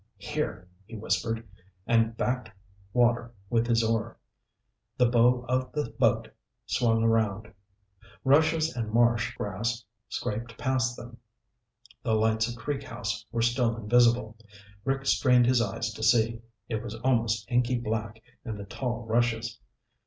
"Here," he whispered, and backed water with his oar. The bow of the boat swung around. Rushes and marsh grass scraped past them. The lights of Creek House were still invisible. Rick strained his eyes to see; it was almost inky black in the tall rushes.